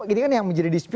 ini kan yang menjadi dispute